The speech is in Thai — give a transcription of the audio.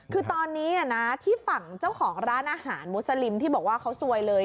คือตอนนี้นะที่ฝั่งเจ้าของร้านอาหารมุสลิมที่บอกว่าเขาซวยเลย